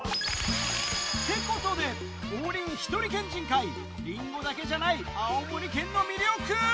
っていうことで、王林ひとり県人会、りんごだけじゃない、青森県の魅力。